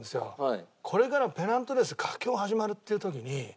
これからペナントレース佳境始まるっていう時に。